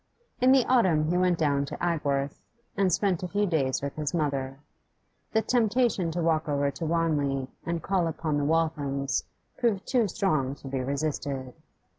In the autumn he went down to Agworth, and spent a few days with his mother. The temptation to walk over to Wanley and call upon the Walthams proved too strong to be resisted.